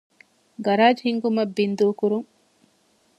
ގަރާޖް ހިންގުމަށް ބިންދޫކުރުން